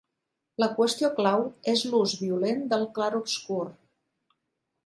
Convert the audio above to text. La qüestió clau és l'ús violent del clarobscur.